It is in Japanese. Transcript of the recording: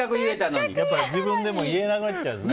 自分でも言えなくなっちゃうんですね。